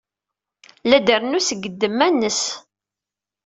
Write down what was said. La d-trennu seg ddemma-nnes.